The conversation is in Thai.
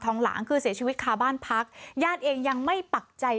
หลางคือเสียชีวิตคาบ้านพักญาติเองยังไม่ปักใจ